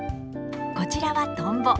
こちらはトンボ。